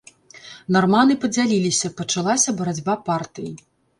Нарманы падзяліліся, пачалася барацьба партый.